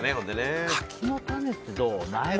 柿の種ってどう？